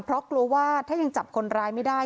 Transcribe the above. เพราะกลัวว่าถ้ายังจับคนร้ายไม่ได้